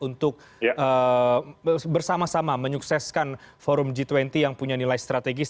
untuk bersama sama menyukseskan forum g dua puluh yang punya nilai strategis